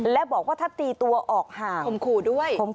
และบอกว่าถ้าตีตัวออกห่างคมขู่ด้วย